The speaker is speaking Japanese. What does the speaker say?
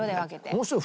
面白い。